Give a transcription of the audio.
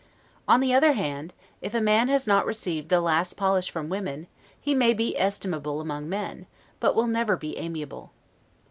On the other hand, if a man has not received the last polish from women, he may be estimable among men, but will never be amiable.